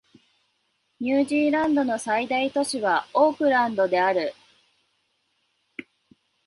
ニュージーランドの最大都市はオークランドである